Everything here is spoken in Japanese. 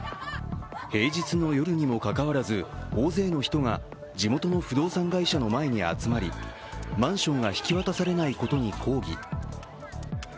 平日の夜にもかかわらず大勢の人が地元の不動産会社の前に集まりマンションが引き渡されないことに抗議。